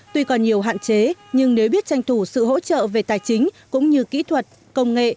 tuy còn nhiều hạn chế nhưng nếu biết tranh thủ sự hỗ trợ về tài chính cũng như kỹ thuật công nghệ